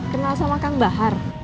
kenal sama kang bahar